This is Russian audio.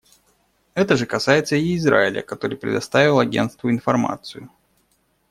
Это же касается и Израиля, который предоставил Агентству информацию.